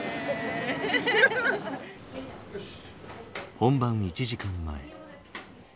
本番１時間前。